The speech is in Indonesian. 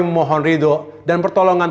memohon ridho dan pertolongan